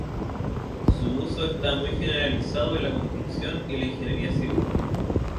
Su uso está muy generalizado en la construcción y la ingeniería civil.